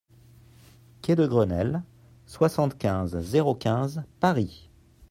Quai de Grenelle, soixante-quinze, zéro quinze Paris